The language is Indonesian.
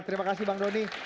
terima kasih bang doni